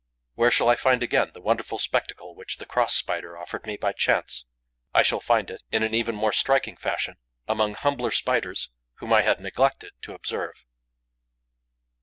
Where shall I find again the wonderful spectacle which the Cross Spider offered me by chance? I shall find it in an even more striking fashion among humbler Spiders, whom I had neglected to observe.